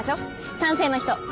賛成の人？